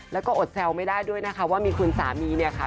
แล้วก็อดแซวไม่ได้ด้วยนะคะว่ามีคุณสามีเนี่ยค่ะ